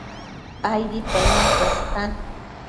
Aidi penun cuestan